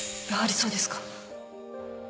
やはりそうですか